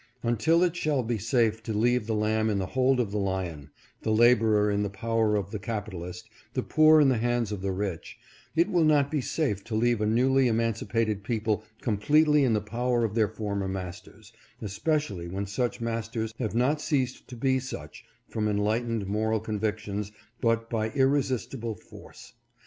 Until it shall be safe to leave the lamb in the hold of the lion, the laborer in the power of the capitalist, the poor in the hands of the rich, it will not be safe to leave a newly emancipated people com pletely in the power of their former masters, especially when such masters have not ceased to be such from enlightened moral convictions but by irresistible force.